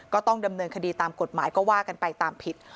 ก็ต้องดำเนินคดีตามกฎหมายก็ว่ากันไปตามผิด